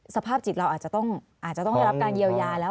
สภาพจิตเราอาจจะต้องได้รับการเยียวยาแล้ว